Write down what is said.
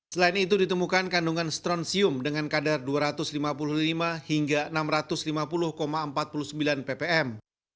selain itu ditemukan kandungan stronsium dengan kadar dua ratus lima puluh lima hingga enam ratus lima puluh empat puluh sembilan ppm